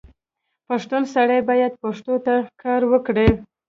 پښتون سړی باید پښتو ته کار وکړي.